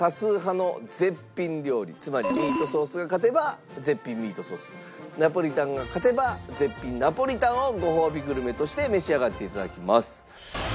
つまりミートソースが勝てば絶品ミートソースナポリタンが勝てば絶品ナポリタンをごほうびグルメとして召し上がっていただきます。